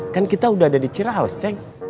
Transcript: kan kita udah ada di cirehouse ceng